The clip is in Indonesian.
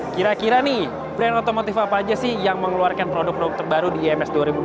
kira kira nih brand otomotif apa aja sih yang mengeluarkan produk produk terbaru di ims dua ribu dua puluh